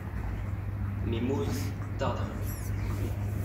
Mais Mose tarde à revenir.